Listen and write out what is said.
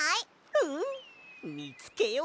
うんみつけよう。